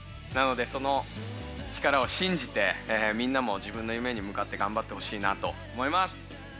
なのでその力を信じてみんなも自分の夢に向かってがんばってほしいなと思います。